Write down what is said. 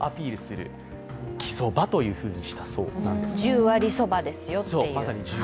１０割そばですよという。